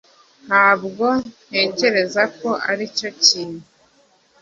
ntabwo ntekereza ko aricyo kintu